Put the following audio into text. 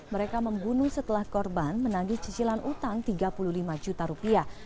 mereka membunuh setelah korban menanggi cicilan utang tiga puluh lima juta rupiah